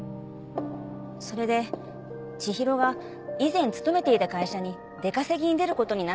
それで千尋が以前勤めていた会社に出稼ぎに出る事になったんです。